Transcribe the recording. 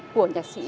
của nhạc sĩ